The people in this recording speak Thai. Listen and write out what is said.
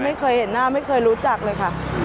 ไม่เคยเห็นหน้าไม่เคยรู้จักเลยค่ะ